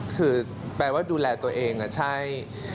คือแปลว่าดูแลตัวเองใช่